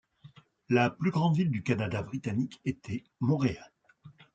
La plus grande ville du Canada britannique était Montréal.